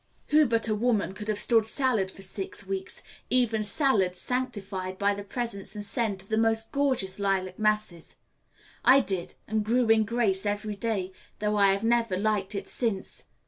Who but a woman could have stood salad for six weeks, even salad sanctified by the presence and scent of the most gorgeous lilac masses? I did, and grew in grace every day, though I have never liked it since.